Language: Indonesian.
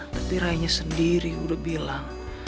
tapi rayanya sendiri sudah bilang